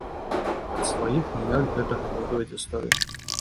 Ад сваіх ніяк гэтага не дойдзе стары.